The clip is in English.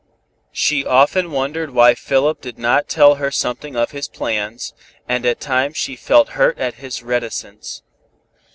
She often wondered why Philip did not tell her something of his plans, and at times she felt hurt at his reticence.